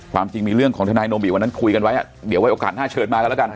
จริงมีเรื่องของทนายโนบิวันนั้นคุยกันไว้เดี๋ยวไว้โอกาสหน้าเชิญมากันแล้วกัน